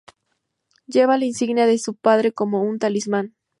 Lleva la insignia de si padre como un talismán.